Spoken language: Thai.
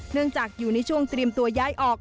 จากอยู่ในช่วงเตรียมตัวย้ายออก